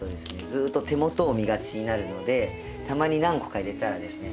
ずっと手元を見がちになるのでたまに何個か入れたらですね